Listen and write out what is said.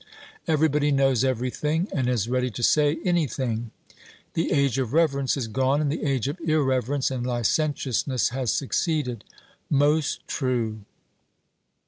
Everybody knows everything, and is ready to say anything; the age of reverence is gone, and the age of irreverence and licentiousness has succeeded. 'Most true.'